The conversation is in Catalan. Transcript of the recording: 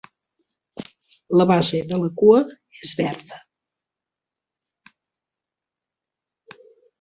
La base de la cua és verda.